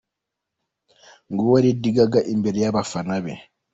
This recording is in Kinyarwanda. Nguwo Lady Gaga imbere y'abafana be.